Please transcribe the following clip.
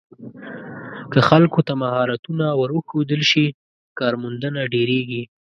که خلکو ته مهارتونه ور وښودل شي، کارموندنه ډېریږي.